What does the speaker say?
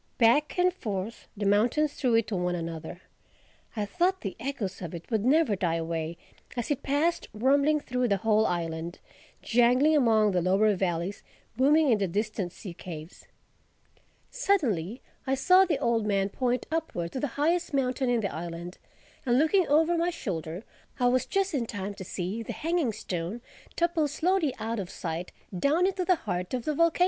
Back and forth the mountains threw it to one another. I thought the echoes of it would never die away as it passed rumbling through the whole island, jangling among the lower valleys, booming in the distant sea caves. Suddenly I saw the old man point upward, to the highest mountain in the island; and looking over my shoulder, I was just in time to see the Hanging Stone topple slowly out of sight—down into the heart of the volcano.